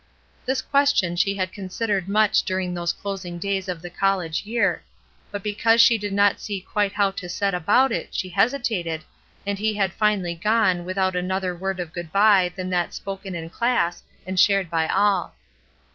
This question she had considered much during those closing days of the college year, but be 244 ESTER RIED'S NAMESAKE cause she did not see quite how to set about it she hesitated, and he had finally gone without other word of good by than that spoken in class, and shared by all.